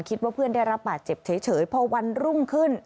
คิดว่าเพื่อนได้รับบาดเจ็บเฉยพอวันรุ่งขึ้น